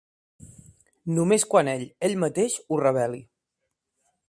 Només quan ell, ell mateix, ho reveli.